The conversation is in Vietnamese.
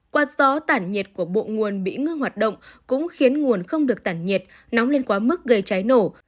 quạt gió tản nhiệt của bộ nguồn bị ngưng hoạt động cũng khiến nguồn không được tản nhiệt nóng lên quá mức gây cháy nổ